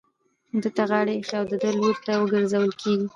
ده ته غاړه ايښې او د ده لوري ته ورگرځول كېږي.